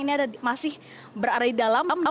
ini ada masih berada di dalam